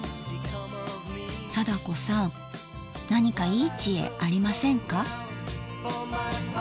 貞子さん何かいい知恵ありませんか？